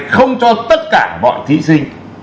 không cho tất cả bọn thí sinh